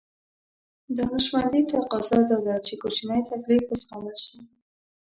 دانشمندي تقاضا دا ده چې کوچنی تکليف وزغمل شي.